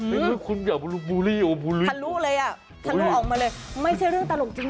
อื้อหือคุณอย่าบูรี่บูรี่ทะลุเลยอ่ะทะลุออกมาเลยไม่ใช่เรื่องตลกจริง